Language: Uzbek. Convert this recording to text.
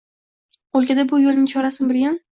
O‘lkada bu yo‘lning chorasin bilgan